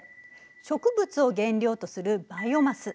植物を原料とするバイオマス。